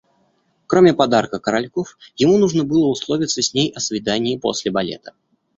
Кроме подарка коральков, ему нужно было условиться с ней о свидании после балета.